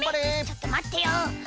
ちょっとまってよ。